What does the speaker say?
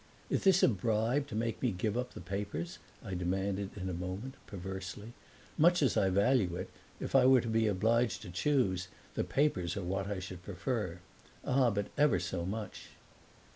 "Is this a bribe to make me give up the papers?" I demanded in a moment, perversely. "Much as I value it, if I were to be obliged to choose, the papers are what I should prefer. Ah, but ever so much!"